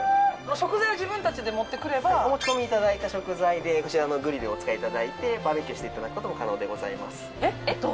食材は自分たちで持ってくればお持ち込みいただいた食材でこちらのグリルをお使いいただいてバーベキューをしていただくことも可能でございます